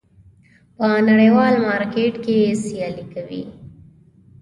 په نړیوال مارکېټ کې سیالي کوي.